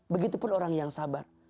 begitu pun orang yang sabar